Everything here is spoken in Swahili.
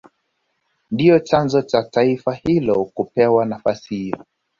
Ndio chanzo cha taifa hilo kupewa nafasi hiyo